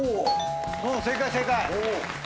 正解正解。